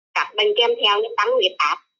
các bệnh kem theo như tắm nguyệt áp